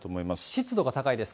湿度が高いです。